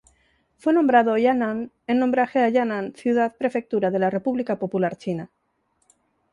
Fue nombrado Yan'an en homenaje a Yan'an ciudad prefectura de la República Popular China.